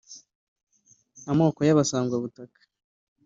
Amoko y’Abasangwabutaka